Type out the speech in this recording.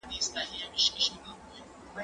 زه کتاب نه ليکم!.!.